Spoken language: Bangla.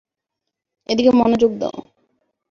এদিকে মনোযোগ দাও।